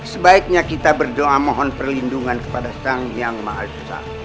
sebaiknya kita berdoa mohon perlindungan kepada sang yang maha esa